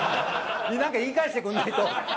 なんか言い返してくれないと。